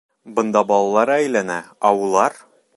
Бында балалары әйләнә, ә улар!..